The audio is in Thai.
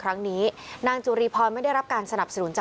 ก็มันยังไม่หมดวันหนึ่ง